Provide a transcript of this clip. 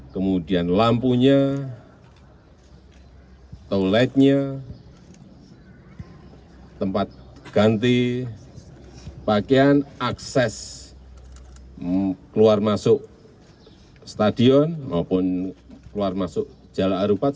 kemudian lampunya toiletnya tempat ganti pakaian akses keluar masuk stadion maupun keluar masuk jalan arupat